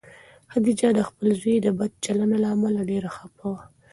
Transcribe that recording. خدیجه د خپل زوی د بد چلند له امله ډېره خفه وه.